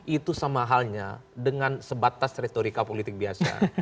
itu sama halnya dengan sebatas retorika politik biasa